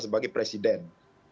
sebagai petugas partai